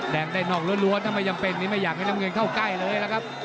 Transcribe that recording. แดงได้นอกล้วนถ้าไม่จำเป็นนี้ไม่อยากให้น้ำเงินเข้าใกล้เลยล่ะครับ